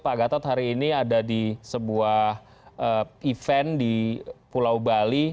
pak gatot hari ini ada di sebuah event di pulau bali